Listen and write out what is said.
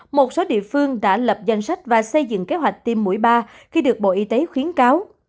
một số địa phương đã lập danh sách và xây dựng kế hoạch tiêm mũi ba khi được bộ y tế khuyến cáo